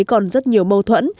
còn rất nhiều mâu thuẫn